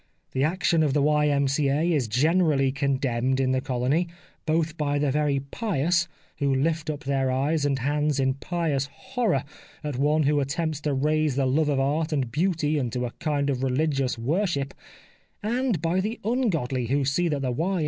The action of the Y.M.C.A. is generally condemned in the colony, both by the very pious, who lift up their eyes and hands in pious horror at one who attempts to raise the love of Art and Beauty into a kind of religious worship ; and by the ungodly, who see that the Y.